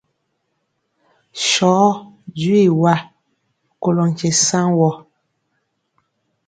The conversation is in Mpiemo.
Sɔɔ jwi wa kolɔ nkye saŋ wɔ.